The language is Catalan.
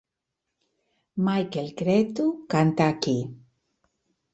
Michael Cretu canta aquí.